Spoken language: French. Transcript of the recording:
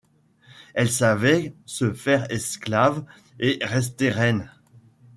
Elle savait se faire esclave et rester reine